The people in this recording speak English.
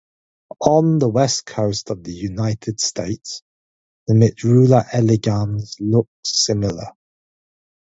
On the West Coast of the United States, the "Mitrula elegans" looks similar.